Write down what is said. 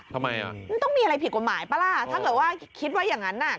ทำไมอ่ะมันต้องมีอะไรผิดกฎหมายป่ะล่ะถ้าเกิดว่าคิดว่าอย่างนั้นน่ะ